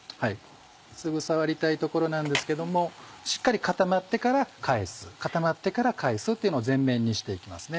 すぐ触りたいところなんですけどしっかり固まってから返す固まってから返すっていうのを全面にして行きますね。